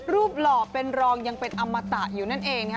หล่อเป็นรองยังเป็นอมตะอยู่นั่นเอง